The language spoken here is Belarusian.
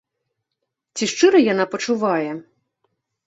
Ці шчыра яна пачувае?